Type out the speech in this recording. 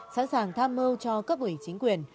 sẵn sàng tham mưu cho cấp ủy chính quyền